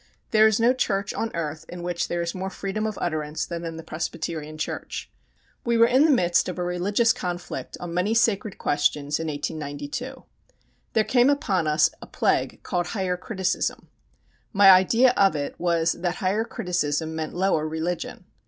There is no church on earth in which there is more freedom of utterance than in the Presbyterian church. [Illustration: THE THIRD BROOKLYN TABERNACLE.] We were in the midst of a religious conflict on many sacred questions in 1892. There came upon us a plague called Higher Criticism. My idea of it was that Higher Criticism meant lower religion.